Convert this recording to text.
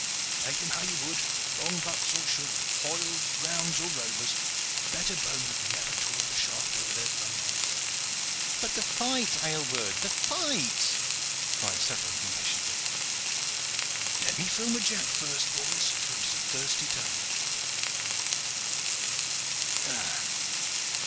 Take them how you would, at long butts or short, hoyles, rounds, or rovers, better bowmen never twirled a shaft over their thumb nails." "But the fight, Aylward, the fight!" cried several impatiently. "Let me fill my jack first, boys, for it is a thirsty tale.